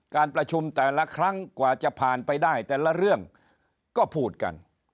การประชุมแต่ละครั้งกว่าจะผ่านไปได้แต่ละเรื่องก็พูดกัน